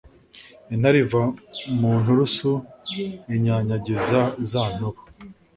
intare iva mu nturusu inyanyagiza za ntobo.